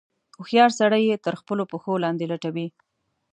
هوښیار سړی یې تر خپلو پښو لاندې لټوي.